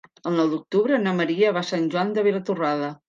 El nou d'octubre na Maria va a Sant Joan de Vilatorrada.